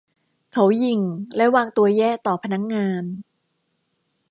เขาหยิ่งและวางตัวแย่ต่อพนักงาน